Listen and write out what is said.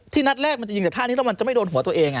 นัดแรกมันจะยิงจากท่านี้แล้วมันจะไม่โดนหัวตัวเอง